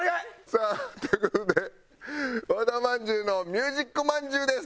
さあという事で和田まんじゅうのミュージックまんじゅうです！